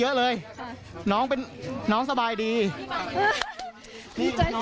เพื่อนบ้านเจ้าหน้าที่อำรวจกู้ภัย